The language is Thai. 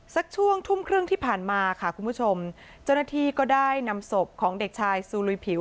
สักช่วงทุ่มครึ่งที่ผ่านมาค่ะคุณผู้ชมเจ้าหน้าที่ก็ได้นำศพของเด็กชายซูลุยผิว